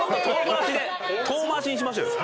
遠回しにしましょうよ。